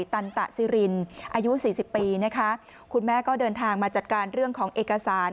ตันตะซิรินอายุสี่สิบปีนะคะคุณแม่ก็เดินทางมาจัดการเรื่องของเอกสาร